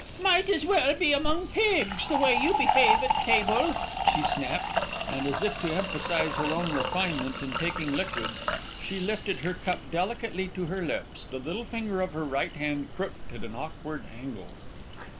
"Might as well be among pigs, the way you behave at table," she snapped and, as if to emphasise her own refinement in taking liquids, she lifted her cup delicately to her lips, the little finger of her right hand crooked at an awkward angle.